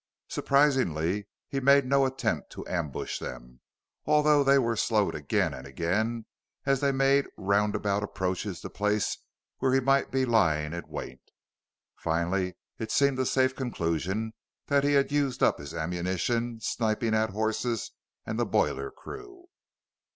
Surprisingly, he made no attempt to ambush them although they were slowed again and again as they made roundabout approaches to places where he might be lying in wait. Finally, it seemed a safe conclusion that he had used up his ammunition sniping at horses and the boiler crew.